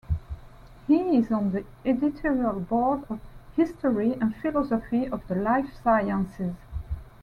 He is on the editorial board of "History and Philosophy of the Life Sciences".